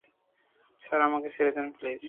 Sir, আমাকে ছেড়ে দিন প্লিজ।